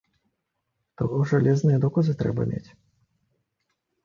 То жалезныя доказы трэба мець.